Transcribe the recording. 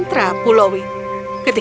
ketika orang tua pulaui menangis dia menangis